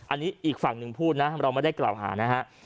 อันนี้อีกฝั่งหนึ่งพูดนะเราไม่ได้กล่าวหานะฮะ